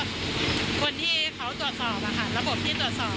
คนที่เขาตรวจสอบอะค่ะระบบที่ตรวจสอบเขาก็สามารถเช็คเราได้ว่าเออมีเรานะเราอาจจะอยู่ในกุมเซียง